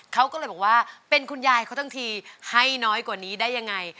เขาก็เลยบอกว่าเป็นคุณยายเขาทั้งทีให้น้อยกว่านี้ได้ยังไง